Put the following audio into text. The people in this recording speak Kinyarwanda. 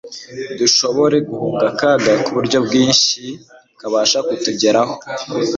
dushobore guhunga akaga k'uburyo bwinshi kabasha kutugeraho